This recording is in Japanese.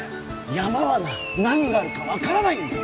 山はな何があるか分からないんだよ